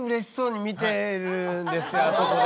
あそこで。